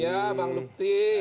ya bang lutfi